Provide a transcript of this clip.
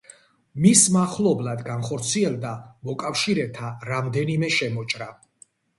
მის მახლობლად განხორციელდა მოკავშირეთა რამდენიმე შემოჭრა.